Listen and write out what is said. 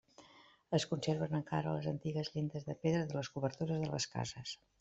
Es conserven encara les antigues llindes de pedra de les obertures de les cases.